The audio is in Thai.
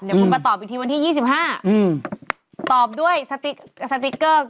เดี๋ยวคุณมาตอบอีกทีวันที่๒๕ตอบด้วยสติ๊กเกอร์